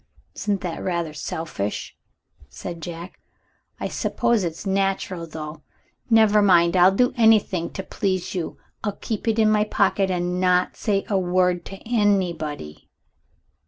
"Isn't that rather selfish?" said Jack. "I suppose it's natural, though. Never mind, I'll do anything to please you; I'll keep it in my pocket and not say a word to anybody.